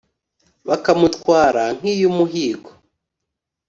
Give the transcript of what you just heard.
bakamutwara nk’iyumuhigo